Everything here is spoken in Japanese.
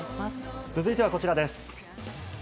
続いてはこちらです。